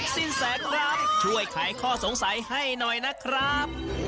สินแสครับช่วยขายข้อสงสัยให้หน่อยนะครับ